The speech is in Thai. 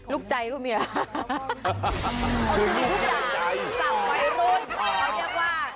รุกใจทุกอย่าง